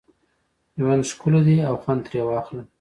ژوند ښکلی دی او خوند ترې واخله